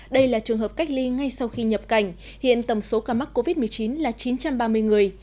đây là trường hợp cách ly ngay sau khi nhập cảnh hiện tầm số ca mắc covid một mươi chín là chín trăm ba mươi người